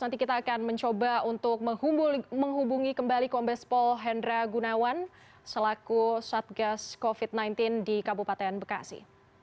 nanti kita akan mencoba untuk menghubungi kembali kombes pol hendra gunawan selaku satgas covid sembilan belas di kabupaten bekasi